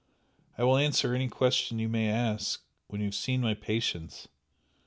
I will answer any question you may ask when you have seen my patients.